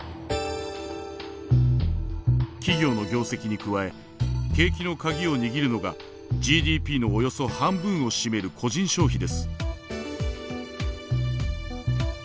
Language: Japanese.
企業の業績に加え景気の鍵を握るのがＧＤＰのおよそ半分を占める個人消費です。